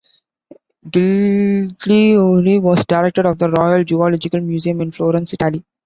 Giglioli was director of the Royal Zoological Museum in Florence, Italy.